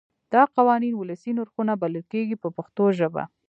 دا قوانین ولسي نرخونه بلل کېږي په پښتو ژبه.